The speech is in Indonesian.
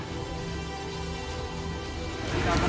kita akan ke belakang